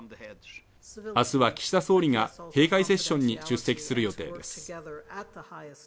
明日は岸田総理が閉会セッションに出席する予定です。